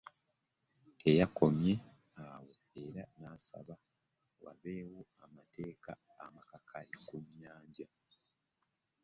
Teyakomye awo era n'asaba wabeewo amateeka amakakali ku nnyanja